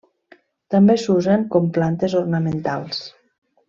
També s'usen com plantes ornamentals.